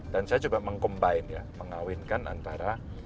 dan saya coba meng combine ya mengawinkan antara